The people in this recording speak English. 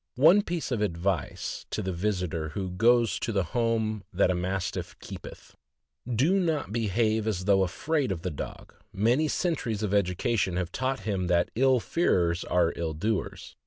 One piece of advice to the visitor who goes to the home that a Mastiff " keepyth: " Do not behave as though afraid of the dog; many centuries of education have taught him that " ill fearers are ill doers."